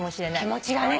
気持ちがね。